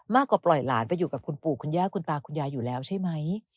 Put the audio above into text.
ปล่อยหลานไปอยู่กับคุณปู่คุณย่าคุณตาคุณยายอยู่แล้วใช่ไหม